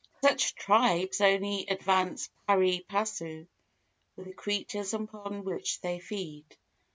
Such tribes only advance pari passu with the creatures upon which they feed.